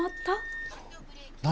何？